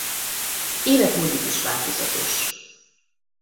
Életmódjuk is változatos.